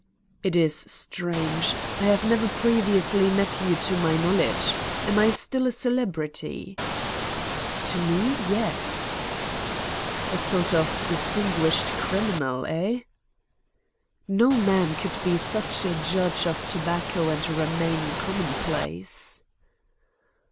"It is strange. I have never previously met you to my knowledge. Am I still a celebrity?" "To me yes." "A sort of distinguished criminal, eh?" "No man could be such a judge of tobacco and remain commonplace."